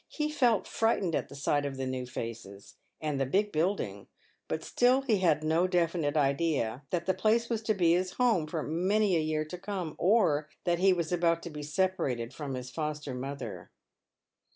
He felt frightened at the sight of the new faces and the big building, but still he had no definite idea that the place was to be his home for many a year to come, or that he was about to be separated from his foster mother.